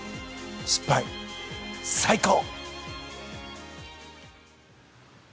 失敗、最高！